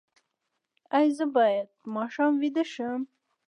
ایا زه باید د ماښام ویده شم؟